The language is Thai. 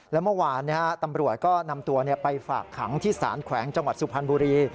และเมื่อวานตำรวจก็นำตัวไปฝากขังที่ศาลแขวงจังหวัดสุพรรณบุรี